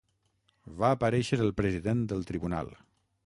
Va aparèixer el president del tribunal.